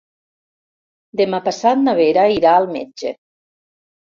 Demà passat na Vera irà al metge.